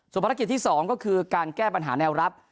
ภารกิจที่๒ก็คือการแก้ปัญหาแนวรับ